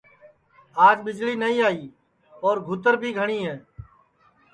آج ٻِجݪی نائی آئی اور گُھوتر بھی گھٹؔی ہے